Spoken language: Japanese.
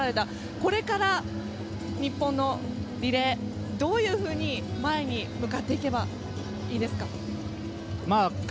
これから、日本のリレーどういうふうに前に向かっていけばいいですか？